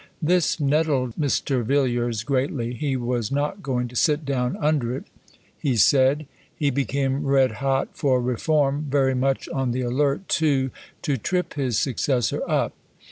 This nettled Mr. Villiers greatly; he was "not going to sit down under it," he said; he became red hot for reform; very much on the alert, too, to trip his successor up.